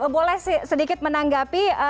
boleh sedikit menandakan